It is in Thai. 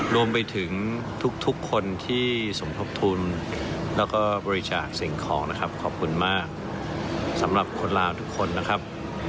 รวมไปถึงทุกคนที่สมทบทุนแล้วก็บริจาคสิ่งของนะครับขอบคุณมากสำหรับคนลาวทุกคนนะครับ